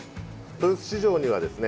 豊洲市場にはですね